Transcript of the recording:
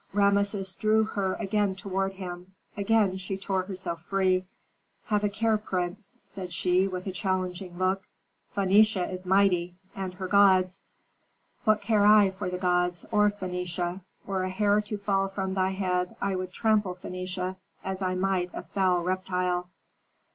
Rameses drew her again toward him; again she tore herself free. "Have a care, prince," said she, with a challenging look. "Phœnicia is mighty, and her gods " "What care I for thy gods or Phœnicia? Were a hair to fall from thy head, I would trample Phœnicia as I might a foul reptile."